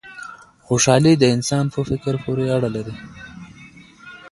خوشحالي د انسان په فکر پوري اړه لري.